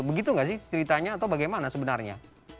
begitu nggak sih ceritanya atau bagaimana sebenarnya